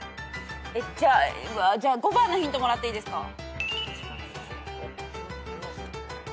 じゃあ５番のヒントもらっていいですか？